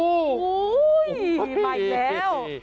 อุ้ยไปอีกแล้ว